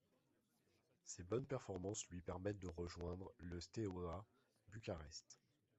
Ses bonnes performances lui permettent de rejoindre le Steaua Bucarest.